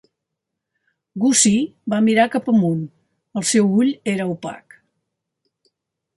Gussie va mirar cap amunt. El seu ull era opac.